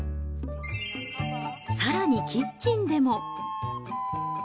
さらにキッチンでも。